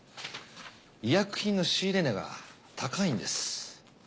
医薬品の仕入れ値が高いんです。